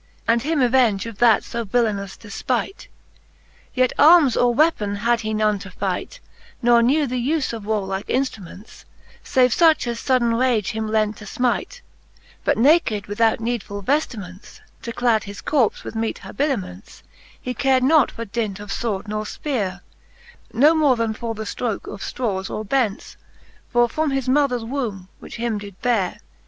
And him avenge of that fo villenous defpight. IV. Yet armes or weapon had he none to fight, Ne knew the uie of warlike inftruments^ Save fuch as fudden rage him lent to fmite ^ But naked without needfull veftiments, To clad his corple with meete habiliments, He cared not for dint of fword nor fpeere, No more then for the ftroke of ftrawes or bents: For from his mothers wombe^ which him did beare.